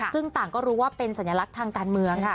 ซึ่งต่างก็รู้ว่าเป็นสัญลักษณ์ทางการเมืองค่ะ